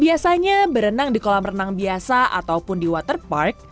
biasanya berenang di kolam renang biasa ataupun di waterpark